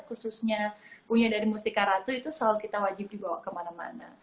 khususnya punya dari mustika ratu itu selalu kita wajib dibawa kemana mana